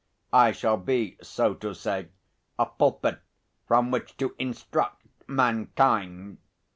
I shall be, so to say, a pulpit from which to instruct mankind.